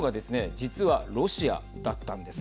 実はロシアだったんです。